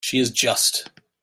She is just.